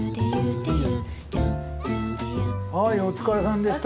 はいお疲れさんでした。